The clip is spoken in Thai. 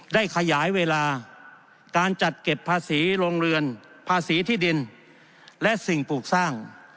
ได้ขยายเวลาการจัดเก็บภาษีโรงเรือนภาษีที่ดินและสิ่งปลูกสร้าง